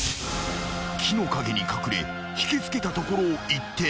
［木の陰に隠れ引きつけたところを一転］